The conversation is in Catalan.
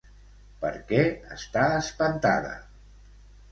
Per què està espantada?